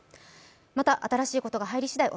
また新しいことが入りしだい